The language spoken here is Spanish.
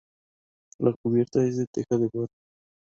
La cubierta es de teja de barro.